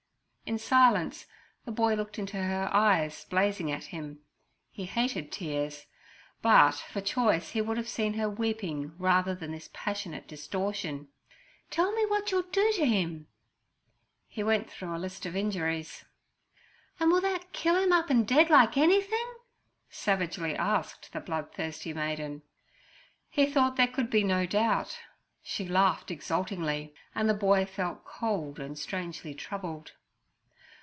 In silence the boy looked into her eyes blazing at him. He hated tears, but, for choice, he would have seen her weeping rather than this passionate distortion. 'Tell me wot'll you do to 'im?' He went through a list of injuries. 'An' will that kill 'im up dead like anything?' savagely asked the bloodthirsty maiden. He thought there could be no doubt. She laughed exultingly, and the boy felt cold and strangely troubled.